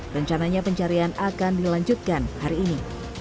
rencananya pencarian akan dilanjutkan hari ini